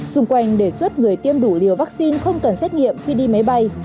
xung quanh đề xuất người tiêm đủ liều vaccine không cần xét nghiệm khi đi máy bay